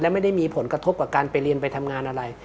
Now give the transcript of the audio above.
ไม่ได้มีผลกระทบกับการไปเรียนไปทำงานอะไร